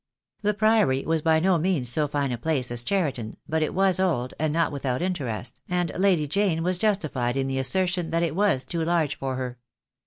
The Priory was by no means so fine a place as Cheriton, but it was old, and not without interest, and Lady Jane was justified in the assertion that it was too large for her.